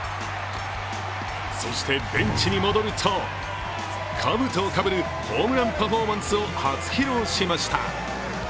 そして、ベンチに戻るとかぶとをかぶるホームランパフォーマンスを初披露しました。